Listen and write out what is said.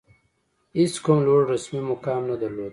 هېڅ کوم لوړ رسمي مقام نه درلود.